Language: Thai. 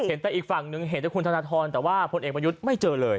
เห็นแต่อีกฝั่งหนึ่งเห็นแต่คุณธนทรแต่ว่าพลเอกประยุทธ์ไม่เจอเลย